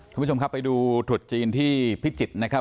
คุณผู้ชมครับไปดูถุดจีนที่พิจิตรนะครับ